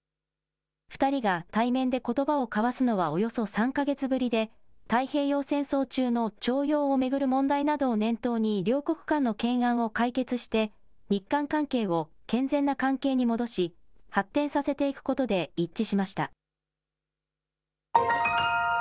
２人が対面でことばを交わすのはおよそ３か月ぶりで太平洋戦争中の徴用を巡る問題などを念頭に両国間の懸案を解決して日韓関係を健全な関係に戻し、発展させていくことで一致しました。